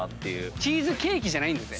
チーズケーキじゃないんだぜ。